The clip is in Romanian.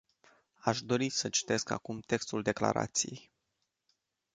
Aș dori să citesc acum textul declarației.